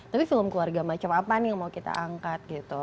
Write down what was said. tapi film keluarga macam apa nih yang mau kita angkat gitu